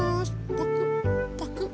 パクッパクッ。